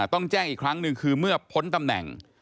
ต้องแจ้งอีกครั้งหนึ่งคือเมื่อพ้นตำแหน่ง